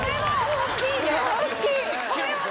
大きい！